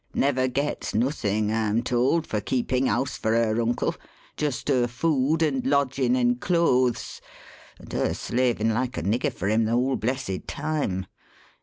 Never gets nothin', I'm told, for keepin' house for her uncle just her food and lodgin' and clothes and her slavin' like a nigger for him the whole blessed time.